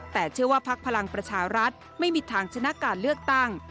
แต่เชื่อว่าพักพลังประชารัฐไม่มีทางชนะการเลือกตั้ง